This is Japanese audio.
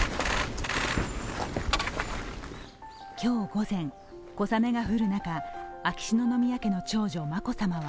今日午前、小雨が降る中、秋篠宮家の長女・眞子さまは